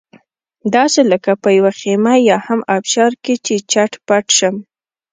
داسې لکه په یوه خېمه یا هم ابشار کې چې پټ شم.